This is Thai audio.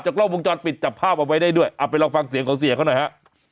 กล้องวงจรปิดจับภาพเอาไว้ได้ด้วยเอาไปลองฟังเสียงของเสียเขาหน่อยฮะ